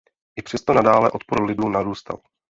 I přesto nadále odpor lidu narůstal.